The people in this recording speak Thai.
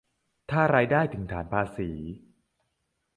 ถ้ารายได้ถึงฐานภาษี